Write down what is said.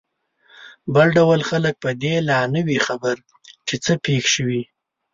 بل ډول خلک په دې لا نه وي خبر چې څه پېښ شوي.